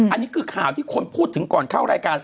อันนี้คือข่าวที่คนพูดถึงก่อนเข้ารายการ